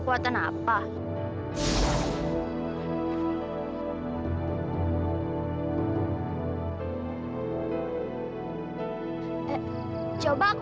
kaka hebat jack